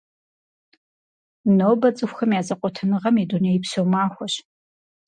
Нобэ цӀыхухэм я зэкъуэтыныгъэм и дунейпсо махуэщ.